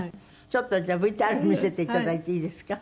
ちょっとじゃあＶＴＲ見せていただいていいですか？